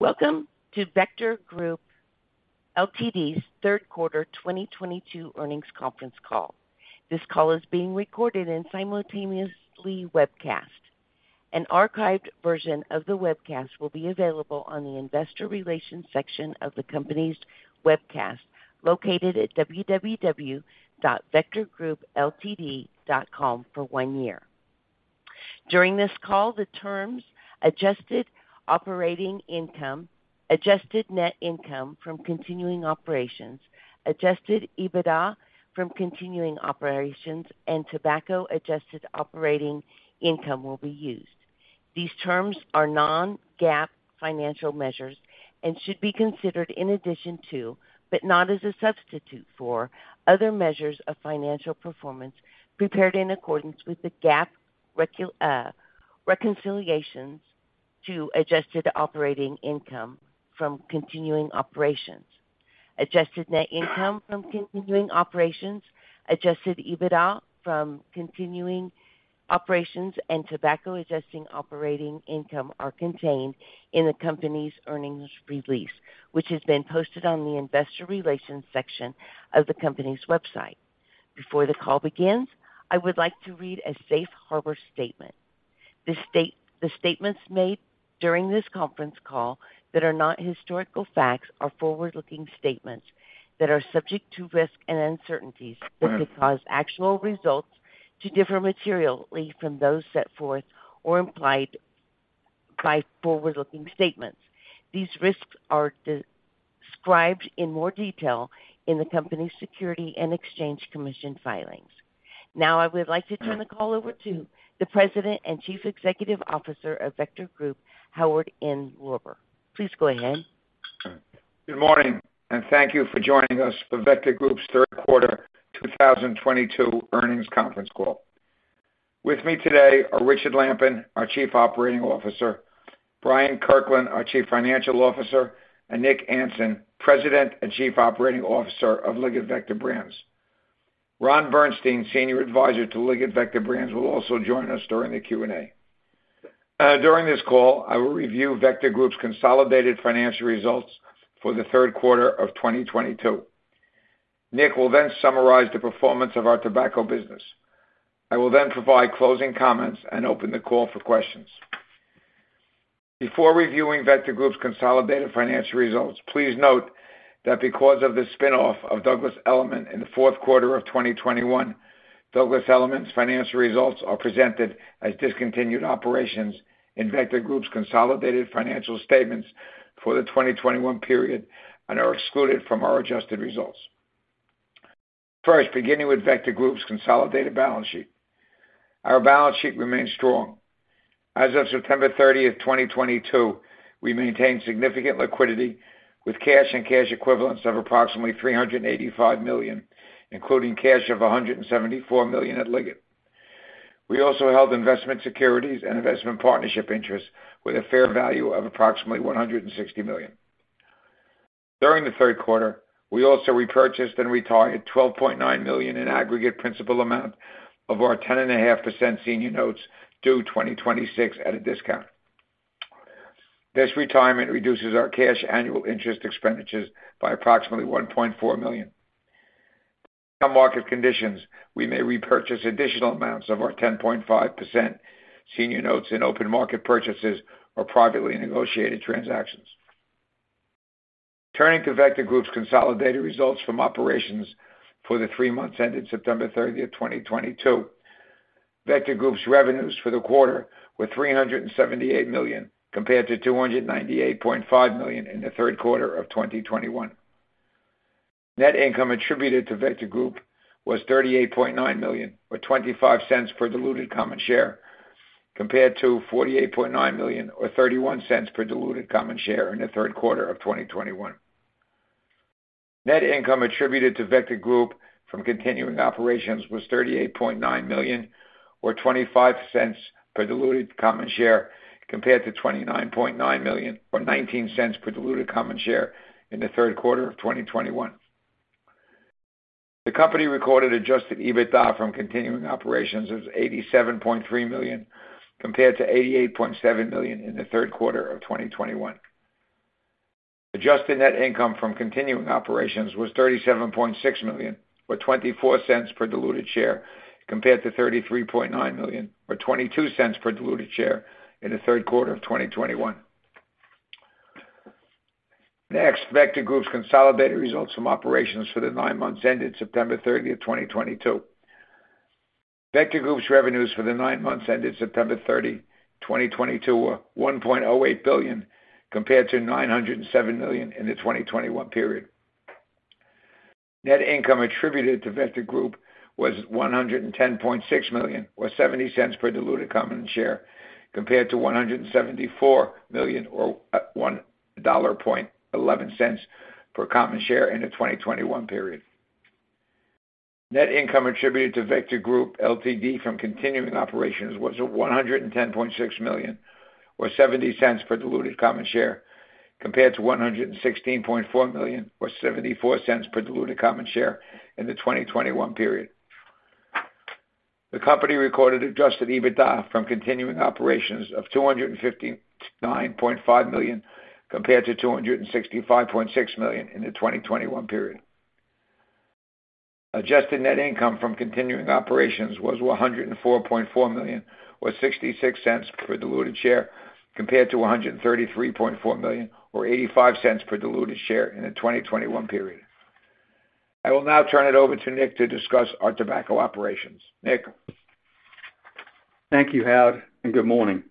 Welcome to Vector Group Ltd.'s third quarter 2022 earnings conference call. This call is being recorded and simultaneously webcast. An archived version of the webcast will be available on the investor relations section of the company's website, located at www.vectorgroupltd.com, for one year. During this call, the terms adjusted operating income, adjusted net income from continuing operations, adjusted EBITDA from continuing operations, and tobacco adjusted operating income will be used. These terms are non-GAAP financial measures and should be considered in addition to, but not as a substitute for, other measures of financial performance prepared in accordance with GAAP. Reconciliations to adjusted operating income from continuing operations, adjusted net income from continuing operations, adjusted EBITDA from continuing operations, and tobacco adjusted operating income are contained in the company's earnings release, which has been posted on the investor relations section of the company's website. Before the call begins, I would like to read a safe harbor statement. The statements made during this conference call that are not historical facts are forward-looking statements that are subject to risks and uncertainties that could cause actual results to differ materially from those set forth or implied by forward-looking statements. These risks are described in more detail in the company's Securities and Exchange Commission filings. Now I would like to turn the call over to the President and Chief Executive Officer of Vector Group, Howard M. Lorber. Please go ahead. Good morning, and thank you for joining us for Vector Group's third quarter 2022 earnings conference call. With me today are Richard Lampen, our Chief Operating Officer, Bryant Kirkland, our Chief Financial Officer, and Nick Anson, President and Chief Operating Officer of Liggett Vector Brands. Ron Bernstein, Senior Advisor to Liggett Vector Brands, will also join us during the Q&A. During this call, I will review Vector Group's consolidated financial results for the third quarter of 2022. Nick will then summarize the performance of our tobacco business. I will then provide closing comments and open the call for questions. Before reviewing Vector Group's consolidated financial results, please note that because of the spin-off of Douglas Elliman in the fourth quarter of 2021, Douglas Elliman's financial results are presented as discontinued operations in Vector Group's consolidated financial statements for the 2021 period and are excluded from our adjusted results. First, beginning with Vector Group's consolidated balance sheet. Our balance sheet remains strong. As of September 30th, 2022, we maintained significant liquidity with cash and cash equivalents of approximately $385 million, including cash of $174 million at Liggett. We also held investment securities and investment partnership interests with a fair value of approximately $160 million. During the third quarter, we also repurchased and retired $12.9 million in aggregate principal amount of our 10.5% senior notes due 2026 at a discount. This retirement reduces our cash annual interest expenditures by approximately $1.4 million. Some market conditions, we may repurchase additional amounts of our 10.5% senior notes in open market purchases or privately negotiated transactions. Turning to Vector Group's consolidated results from operations for the three months ended September 30th, 2022. Vector Group's revenues for the quarter were $378 million, compared to $298.5 million in the third quarter of 2021. Net income attributed to Vector Group was $38.9 million or $0.25 per diluted common share, compared to $48.9 million or $0.31 per diluted common share in the third quarter of 2021. Net income attributed to Vector Group from continuing operations was $38.9 million or $0.25 per diluted common share, compared to $29.9 million or $0.19 per diluted common share in the third quarter of 2021. The company recorded adjusted EBITDA from continuing operations as $87.3 million, compared to $88.7 million in the third quarter of 2021. Adjusted net income from continuing operations was $37.6 million or $0.24 per diluted share, compared to $33.9 million or $0.22 per diluted share in the third quarter of 2021. Next, Vector Group's consolidated results from operations for the nine months ended September 30, 2022. Vector Group's revenues for the nine months ended September 30, 2022 were $1.08 billion, compared to $907 million in the 2021 period. Net income attributed to Vector Group was $110.6 million or $0.70 per diluted common share, compared to $174 million or $1.11 per common share in the 2021 period. Net income attributed to Vector Group Ltd. from continuing operations was $110.6 million or $0.70 per diluted common share, compared to $116.4 million or $0.74 per diluted common share in the 2021 period. The company recorded adjusted EBITDA from continuing operations of $259.5 million compared to $265.6 million in the 2021 period. Adjusted net income from continuing operations was $104.4 million, or $0.66 per diluted share, compared to $133.4 million or $0.85 per diluted share, in the 2021 period. I will now turn it over to Nick to discuss our tobacco operations. Nick? Thank you, Howard, and good morning.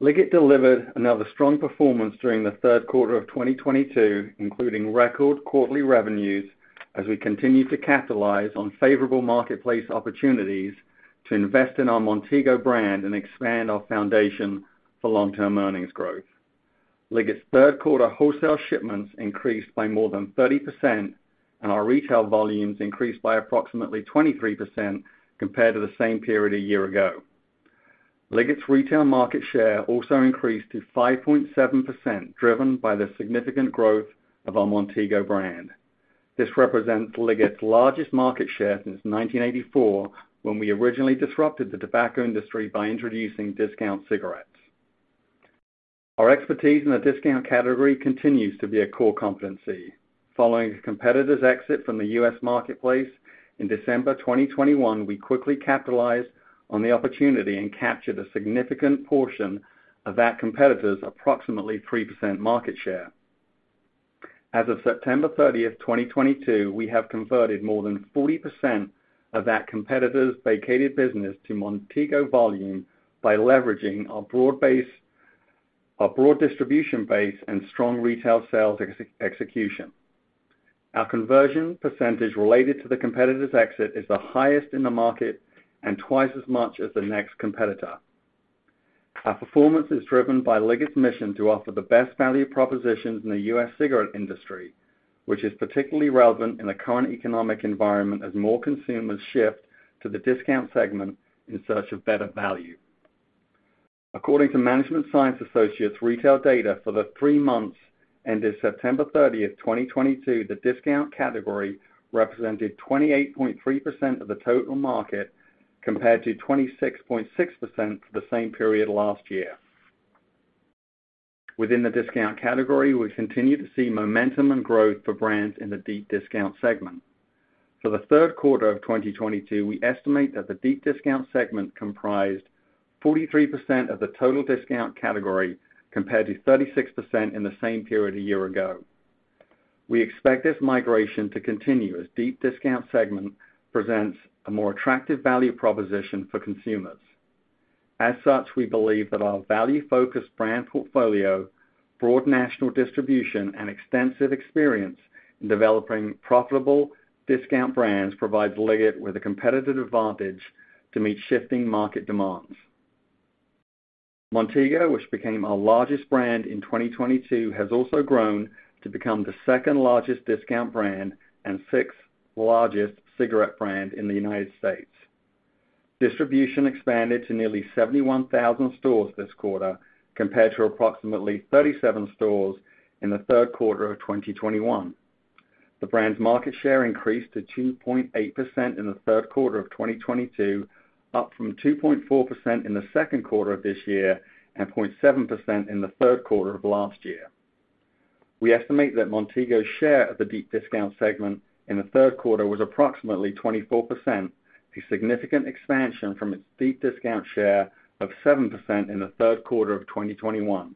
Liggett delivered another strong performance during the third quarter of 2022, including record quarterly revenues as we continue to capitalize on favorable marketplace opportunities to invest in our Montego brand and expand our foundation for long-term earnings growth. Liggett's third-quarter wholesale shipments increased by more than 30%, and our retail volumes increased by approximately 23% compared to the same period a year ago. Liggett's retail market share also increased to 5.7%, driven by the significant growth of our Montego brand. This represents Liggett's largest market share since 1984, when we originally disrupted the tobacco industry by introducing discount cigarettes. Our expertise in the discount category continues to be a core competency. Following a competitor's exit from the U.S. marketplace in December 2021, we quickly capitalized on the opportunity and captured a significant portion of that competitor's approximately 3% market share. As of September 30th, 2022, we have converted more than 40% of that competitor's vacated business to Montego volume by leveraging our broad distribution base and strong retail sales execution. Our conversion percentage related to the competitor's exit is the highest in the market and twice as much as the next competitor. Our performance is driven by Liggett's mission to offer the best value propositions in the U.S. cigarette industry, which is particularly relevant in the current economic environment as more consumers shift to the discount segment in search of better value. According to Management Science Associates retail data for the three months ended September 30th, 2022, the discount category represented 28.3% of the total market, compared to 26.6% for the same period last year. Within the discount category, we continue to see momentum and growth for brands in the deep discount segment. For the third quarter of 2022, we estimate that the deep discount segment comprised 43% of the total discount category, compared to 36% in the same period a year ago. We expect this migration to continue as deep discount segment presents a more attractive value proposition for consumers. As such, we believe that our value-focused brand portfolio, broad national distribution, and extensive experience in developing profitable discount brands provide Liggett with a competitive advantage to meet shifting market demands. Montego, which became our largest brand in 2022, has also grown to become the second-largest discount brand and sixth-largest cigarette brand in the United States. Distribution expanded to nearly 71,000 stores this quarter, compared to approximately 37 stores in the third quarter of 2021. The brand's market share increased to 2.8% in the third quarter of 2022, up from 2.4% in the second quarter of this year and 0.7% in the third quarter of last year. We estimate that Montego's share of the deep discount segment in the third quarter was approximately 24%, a significant expansion from its deep discount share of 7% in the third quarter of 2021.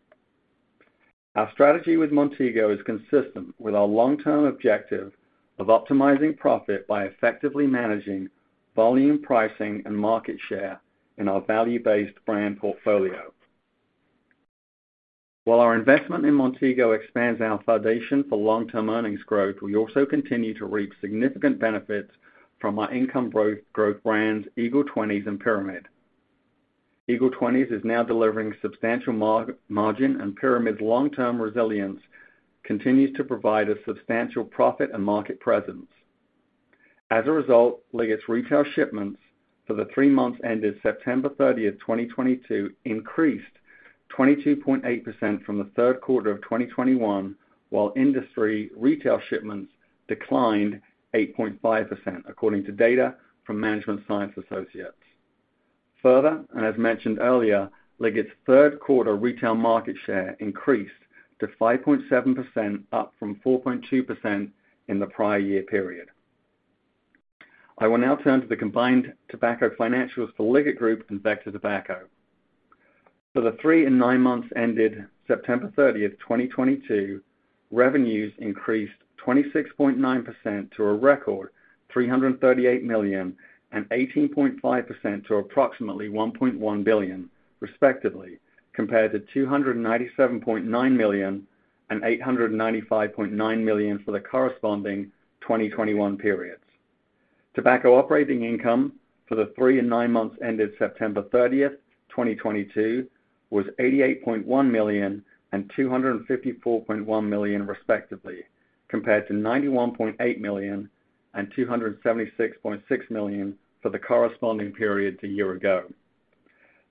Our strategy with Montego is consistent with our long-term objective of optimizing profit by effectively managing volume pricing and market share in our value-based brand portfolio. While our investment in Montego expands our foundation for long-term earnings growth, we also continue to reap significant benefits from our growth brands, Eagle 20's and Pyramid. Eagle 20's is now delivering substantial margin, and Pyramid's long-term resilience continues to provide a substantial profit and market presence. As a result, Liggett's retail shipments for the three months ended September 30th, 2022, increased 22.8% from the third quarter of 2021, while industry retail shipments declined 8.5%, according to data from Management Science Associates. Further, as mentioned earlier, Liggett's third-quarter retail market share increased to 5.7%, up from 4.2% in the prior year period. I will now turn to the combined tobacco financials for Liggett Group and Vector Tobacco. For the three and nine months ended September 30th, 2022, revenues increased 26.9% to a record $338 million and 18.5% to approximately $1.1 billion, respectively, compared to $297.9 million and $895.9 million for the corresponding 2021 periods. Tobacco operating income for the three and nine months ended September 30, 2022, was $88.1 million and $254.1 million, respectively, compared to $91.8 million and $276.6 million for the corresponding periods a year ago.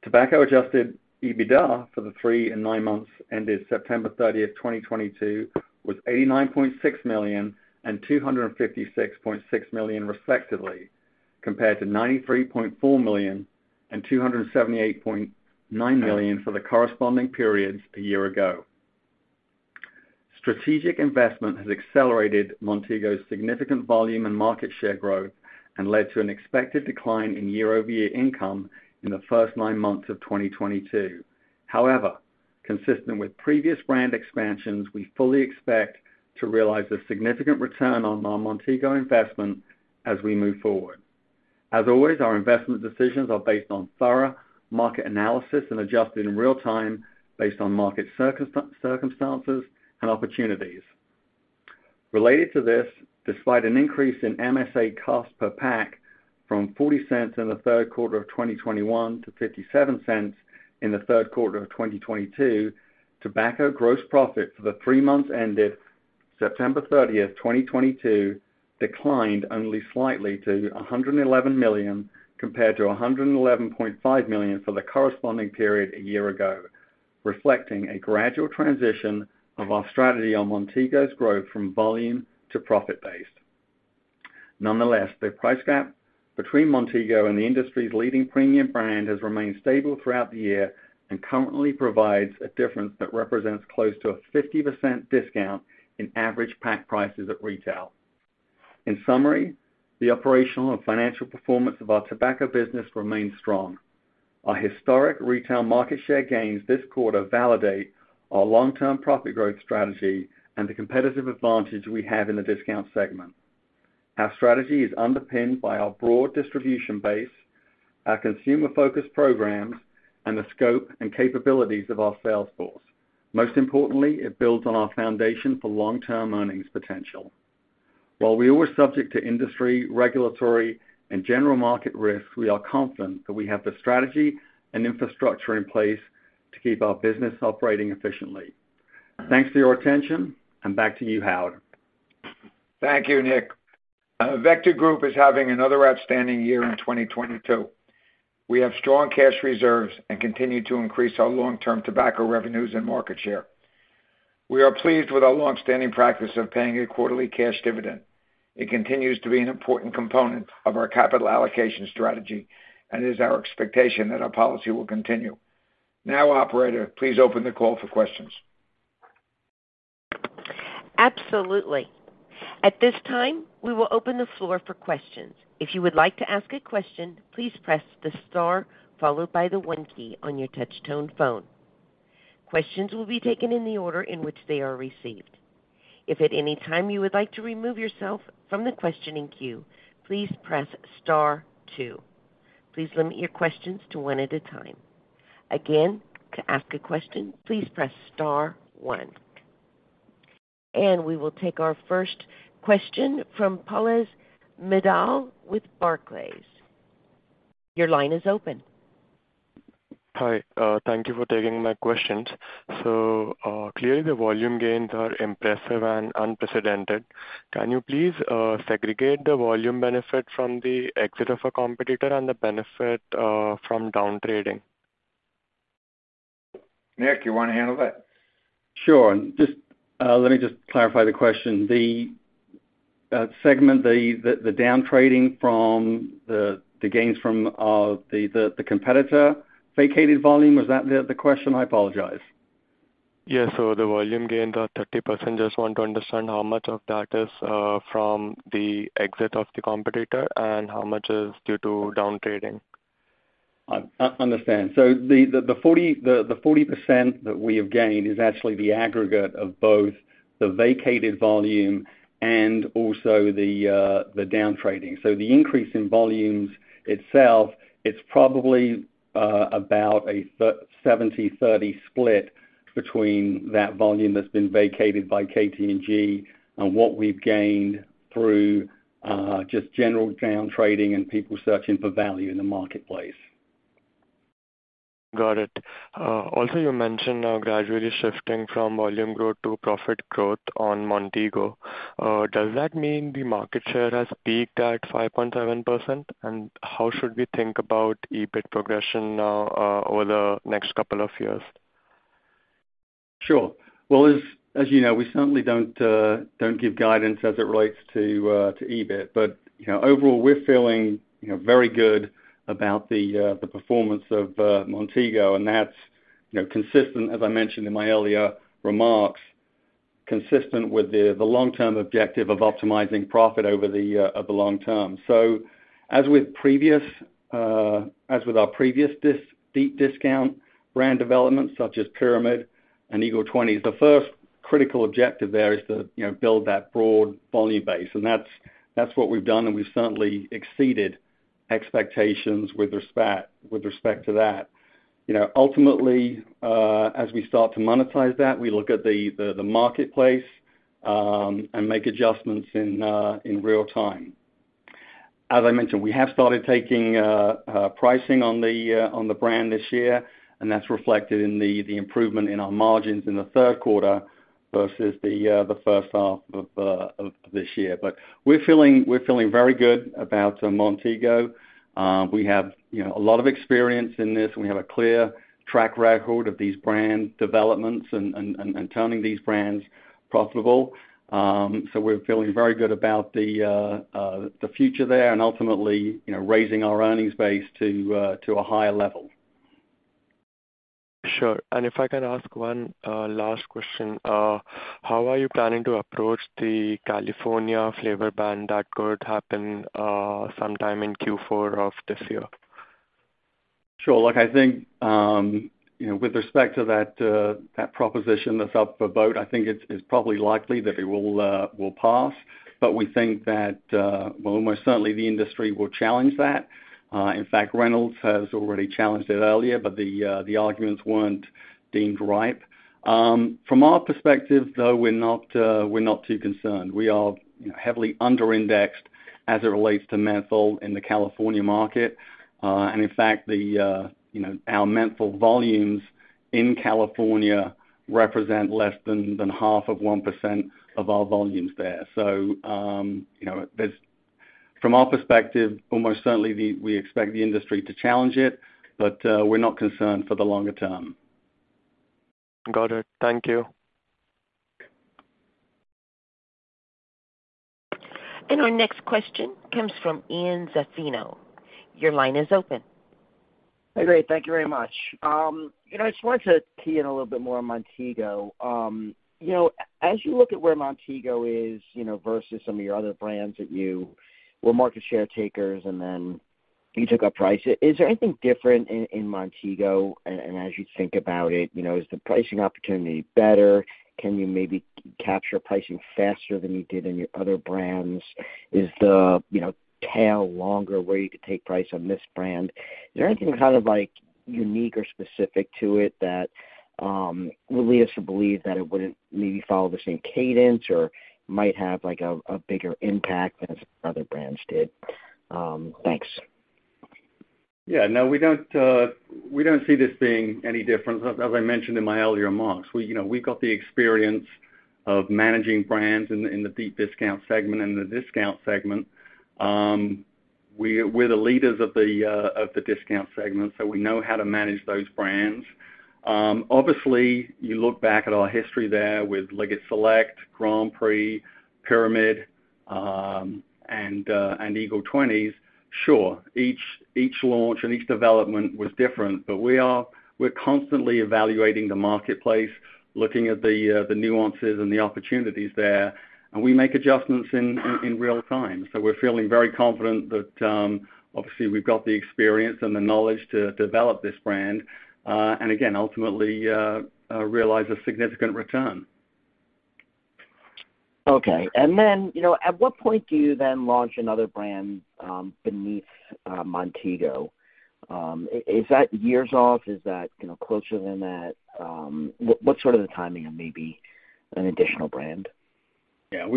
Tobacco adjusted EBITDA for the three and nine months ended September 30, 2022, was $89.6 million and $256.6 million, respectively, compared to $93.4 million and $278.9 million for the corresponding periods a year ago. Strategic investment has accelerated Montego's significant volume and market share growth and led to an expected decline in year-over-year income in the first nine months of 2022. However, consistent with previous brand expansions, we fully expect to realize a significant return on our Montego investment as we move forward. As always, our investment decisions are based on thorough market analysis and adjusted in real-time based on market circumstances and opportunities. Related to this, despite an increase in MSA cost per pack from $0.40 in the third quarter of 2021 to $0.57 in the third quarter of 2022, tobacco gross profit for the three months ended September 30, 2022, declined only slightly to $111 million compared to $111.5 million for the corresponding period a year ago, reflecting a gradual transition of our strategy on Montego's growth from volume to profit-based. Nonetheless, the price gap between Montego and the industry's leading premium brand has remained stable throughout the year and currently provides a difference that represents close to a 50% discount in average pack prices at retail. In summary, the operational and financial performance of our tobacco business remains strong. Our historic retail market share gains this quarter validate our long-term profit growth strategy and the competitive advantage we have in the discount segment. Our strategy is underpinned by our broad distribution base, our consumer-focused programs, and the scope and capabilities of our sales force. Most importantly, it builds on our foundation for long-term earnings potential. While we are subject to industry, regulatory, and general market risks, we are confident that we have the strategy and infrastructure in place to keep our business operating efficiently. Thanks for your attention, and back to you, Howard. Thank you, Nick. Vector Group is having another outstanding year in 2022. We have strong cash reserves and continue to increase our long-term tobacco revenues and market share. We are pleased with our long-standing practice of paying a quarterly cash dividend. It continues to be an important component of our capital allocation strategy, and is our expectation that our policy will continue. Now, operator, please open the call for questions. Absolutely. At this time, we will open the floor for questions. If you would like to ask a question, please press the star followed by the one key on your touch-tone phone. Questions will be taken in the order in which they are received. If at any time you would like to remove yourself from the questioning queue, please press star two. Please limit your questions to one at a time. Again, to ask a question, please press star one. We will take our first question from Pallav Mittal with Barclays. Your line is open. Hi, thank you for taking my questions. Clearly, the volume gains are impressive and unprecedented. Can you please, segregate the volume benefit from the exit of a competitor and the benefit, from down trading? Nick, you wanna handle that? Sure. Just, let me just clarify the question. The segment, the down trading from the gains from the competitor vacated volume, was that the question? I apologize. Yes. The volume gains are 30%. Just want to understand how much of that is from the exit of the competitor and how much is due to down trading. I understand. The 40% that we have gained is actually the aggregate of both the vacated volume and also the down trading. The increase in volumes itself, it's probably about a 70/30 split between that volume that's been vacated by KT&G and what we've gained through just general down trading and people searching for value in the marketplace. Got it. Also, you mentioned now gradually shifting from volume growth to profit growth on Montego. Does that mean the market share has peaked at 5.7%? How should we think about EBIT progression over the next couple of years? Sure. Well, as you know, we certainly don't give guidance as it relates to EBIT. You know, overall, we're feeling, you know, very good about the performance of Montego, and that's, you know, consistent, as I mentioned in my earlier remarks, consistent with the long-term objective of optimizing profit over the long term. As with our previous deep discount brand developments, such as Pyramid and Eagle 20's, the first critical objective there is to, you know, build that broad volume base, and that's what we've done, and we've certainly exceeded expectations with respect to that. You know, ultimately, as we start to monetize that, we look at the marketplace and make adjustments in real time. As I mentioned, we have started taking pricing on the brand this year, and that's reflected in the improvement in our margins in the third quarter. Versus the first half of this year. We're feeling very good about Montego. We have, you know, a lot of experience in this, and we have a clear track record of these brand developments and turning these brands profitable. We're feeling very good about the future there and ultimately, you know, raising our earnings base to a higher level. Sure. If I can ask one last question. How are you planning to approach the California flavor ban that could happen sometime in Q4 of this year? Sure. Look, I think, you know, with respect to that proposition that's up for vote, I think it's probably likely that it will pass. We think that, well, almost certainly the industry will challenge that. In fact, Reynolds has already challenged it earlier, but the arguments weren't deemed ripe. From our perspective, though, we're not too concerned. We are, you know, heavily under-indexed as it relates to menthol in the California market. In fact, you know, our menthol volumes in California represent less than 0.5% of our volumes there. You know, from our perspective, almost certainly we expect the industry to challenge it, but we're not concerned for the longer term. Got it. Thank you. Our next question comes from Ian Zaffino. Your line is open. Great. Thank you very much. You know, I just wanted to key in a little bit more on Montego. You know, as you look at where Montego is, you know, versus some of your other brands that you were market share takers and then you took up price, is there anything different in Montego? As you think about it, you know, is the pricing opportunity better? Can you maybe capture pricing faster than you did in your other brands? Is the, you know, tail longer where you could take price on this brand? Is there anything kind of like unique or specific to it that would lead us to believe that it wouldn't maybe follow the same cadence or might have like a bigger impact than other brands did? Thanks. Yeah, no, we don't see this being any different. As I mentioned in my earlier remarks, we, you know, we've got the experience of managing brands in the deep discount segment and the discount segment. We're the leaders of the discount segment, so we know how to manage those brands. Obviously, you look back at our history there with Liggett Select, Grand Prix, Pyramid, and Eagle 20's. Sure. Each launch and each development was different. We're constantly evaluating the marketplace, looking at the nuances and the opportunities there, and we make adjustments in real time. We're feeling very confident that, obviously, we've got the experience and the knowledge to develop this brand, and again, ultimately, realize a significant return. Okay. You know, at what point do you launch another brand beneath Montego? Is that years off? Is that, you know, closer than that? What's sort of the timing of maybe an additional brand? Yeah.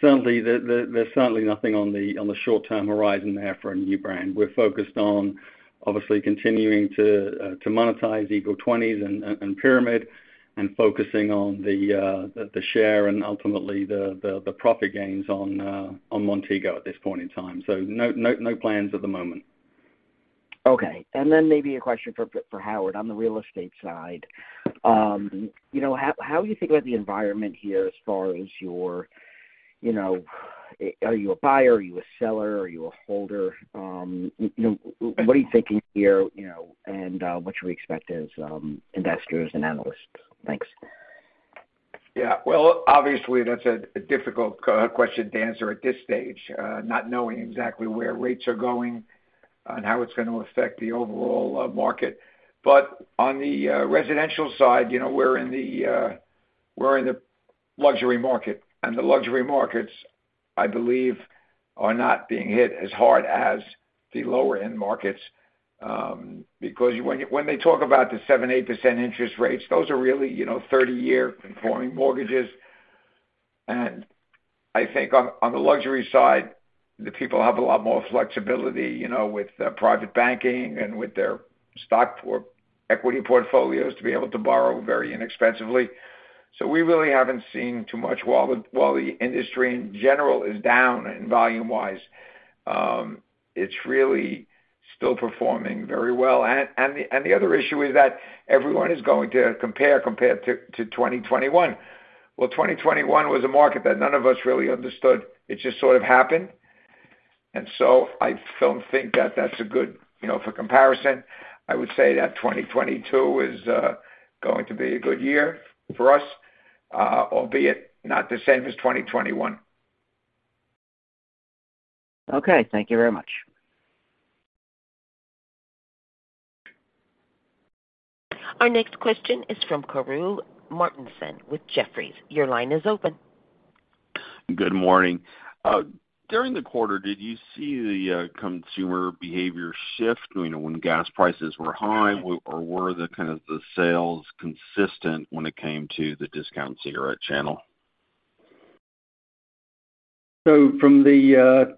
Certainly, there's certainly nothing on the short-term horizon there for a new brand. We're focused on, obviously, continuing to monetize Eagle 20's and Pyramid and focusing on the share and ultimately the profit gains on Montego at this point in time. No plans at the moment. Okay. Maybe a question for Howard on the real estate side. You know, how are you thinking about the environment here as far as your, you know, are you a buyer? Are you a seller? Are you a holder? You know, what are you thinking here, you know, and what should we expect as investors and analysts? Thanks. Yeah. Well, obviously that's a difficult question to answer at this stage, not knowing exactly where rates are going and how it's gonna affect the overall market. On the residential side, you know, we're in the luxury market, and the luxury markets, I believe, are not being hit as hard as the lower-end markets. Because when they talk about the 7%-8% interest rates, those are really, you know, 30-year performing mortgages. I think on the luxury side, the people have a lot more flexibility, you know, with private banking and with their stock or equity portfolios to be able to borrow very inexpensively. We really haven't seen too much. While the industry in general is down volume-wise, it's really still performing very well. The other issue is that everyone is going to compare to 2021. Well, 2021 was a market that none of us really understood. It just sort of happened. I don't think that that's a good, you know, for comparison. I would say that 2022 is going to be a good year for us, albeit not the same as 2021. Okay. Thank you very much. Our next question is from Karru Martinson with Jefferies. Your line is open. Good morning. During the quarter, did you see the consumer behavior shift, you know, when gas prices were high, or were the kind of sales consistent when it came to the discount cigarette channel? From the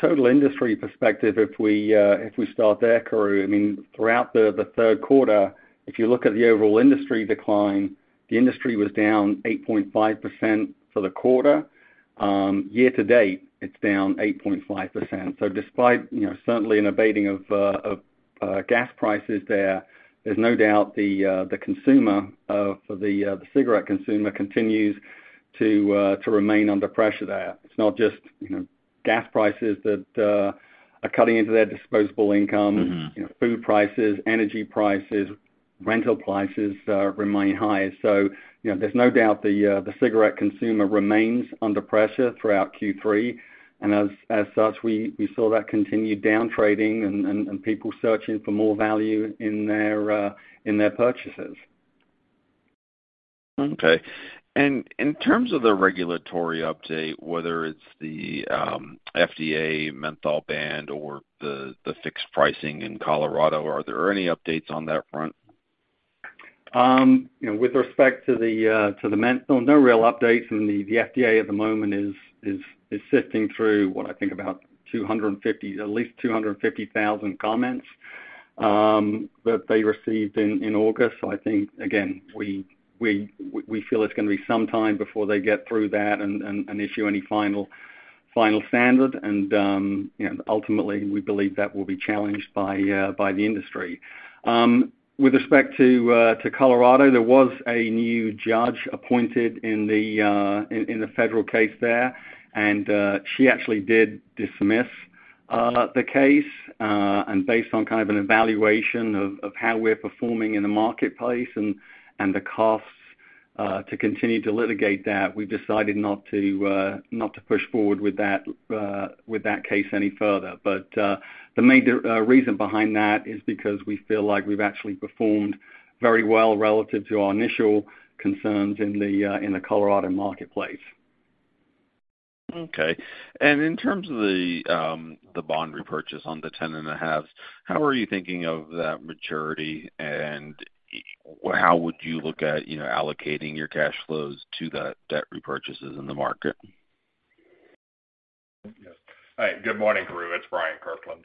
total industry perspective, if we start there, Karru, I mean, throughout the third quarter, if you look at the overall industry decline, the industry was down 8.5% for the quarter. Year to date, it's down 8.5%. Despite, you know, certainly an abatement of gas prices, there's no doubt the consumer for the cigarette consumer continues to remain under pressure there. It's not just, you know, gas prices that are cutting into their disposable income. You know, food prices, energy prices, rental prices remain high. You know, there's no doubt the cigarette consumer remains under pressure throughout Q3. As such, we saw that continued down trading and people searching for more value in their purchases. Okay. In terms of the regulatory update, whether it's the FDA menthol ban or the fixed pricing in Colorado, are there any updates on that front? You know, with respect to the menthol, no real updates. I mean, the FDA at the moment is sifting through what I think about 250,000, at least 250,000 comments that they received in August. So I think, again, we feel it's gonna be some time before they get through that and issue any final standard. You know, ultimately, we believe that will be challenged by the industry. With respect to Colorado, there was a new judge appointed in the federal case there. She actually did dismiss the case. Based on kind of an evaluation of how we're performing in the marketplace and the costs to continue to litigate that, we've decided not to push forward with that case any further. The major reason behind that is because we feel like we've actually performed very well relative to our initial concerns in the Colorado marketplace. Okay. In terms of the bond repurchase on the 10.5, how are you thinking of that maturity, and how would you look at, you know, allocating your cash flows to the debt repurchases in the market? Yes. Hi. Good morning, Karru. It's Bryant Kirkland.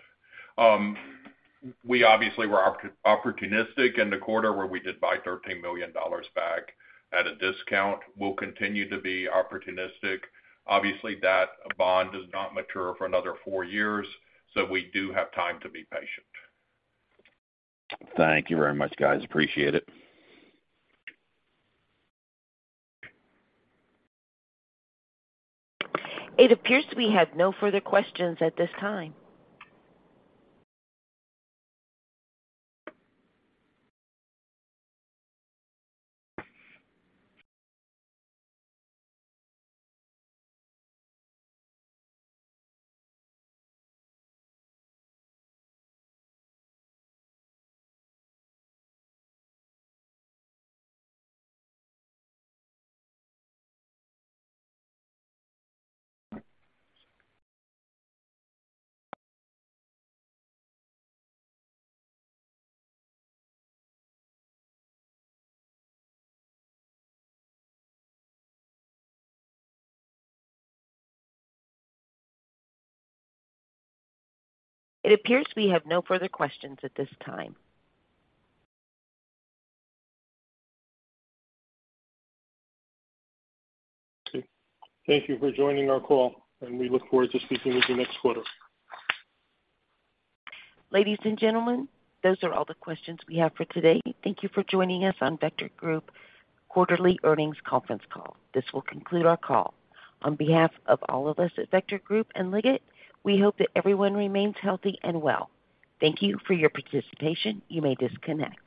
We obviously were opportunistic in the quarter where we did buy $13 million back at a discount. We'll continue to be opportunistic. Obviously, that bond does not mature for another four years, so we do have time to be patient. Thank you very much, guys. Appreciate it. It appears we have no further questions at this time. Okay. Thank you for joining our call, and we look forward to speaking with you next quarter. Ladies and gentlemen, those are all the questions we have for today. Thank you for joining us on Vector Group quarterly earnings conference call. This will conclude our call. On behalf of all of us at Vector Group and Liggett, we hope that everyone remains healthy and well. Thank you for your participation. You may disconnect.